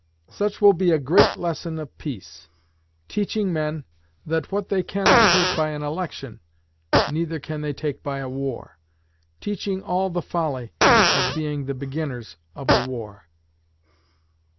Such will be a great lesson of peace: teaching men that what they cannot take by an election, neither can they take by a war; teaching all the folly of being the beginners of a war.